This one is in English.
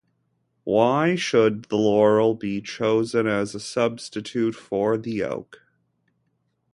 Why should the laurel be chosen as a substitute for the oak?